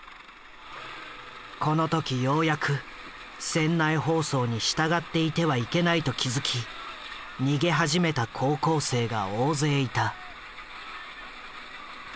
この時ようやく船内放送に従っていてはいけないと気付き逃げ始めた高校生が大勢いた。